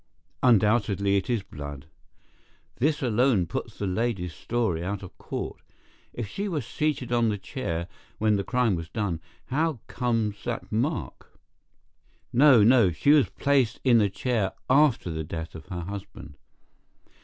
"Undoubtedly it is blood. This alone puts the lady's story out of court. If she were seated on the chair when the crime was done, how comes that mark? No, no, she was placed in the chair after the death of her husband.